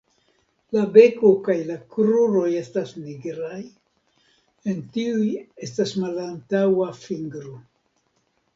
La beko kaj kruroj estas nigraj; en tiuj estas malantaŭa fingro.